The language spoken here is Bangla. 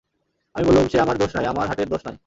আমি বললুম, সে আমার দোষ নয়, আমার হাটের দোষ নয়।